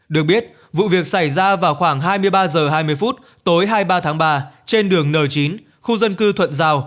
được biết vụ việc xảy ra vào khoảng hai mươi ba h hai mươi phút tối hai mươi ba tháng ba trên đường n chín khu dân cư thuận giao